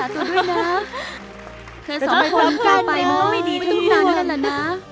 เธอสองคนกล้าไปมากไม่ดีทั้งคู่นะ